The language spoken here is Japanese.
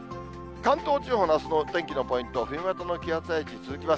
関東地方のあすのお天気のポイント、冬型の気圧配置、続きます。